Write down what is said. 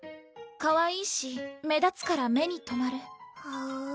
かわいいし目立つから目にとまるはう？